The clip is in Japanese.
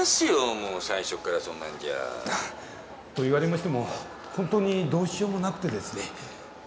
もう最初からそんなんじゃ。と言われましても本当にどうしようもなくてですね。